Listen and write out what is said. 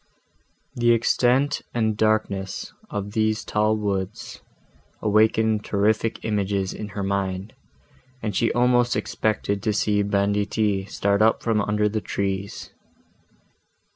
The extent and darkness of these tall woods awakened terrific images in her mind, and she almost expected to see banditti start up from under the trees.